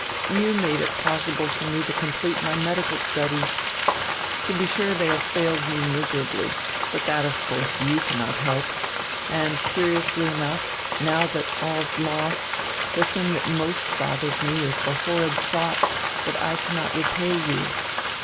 You made it possible for me to complete my medical studies. To be sure, they have failed me miserably. But that, of course, you cannot help, and, curiously enough, now that all's lost, the thing that most bothers me is the horrid thought that I cannot repay you.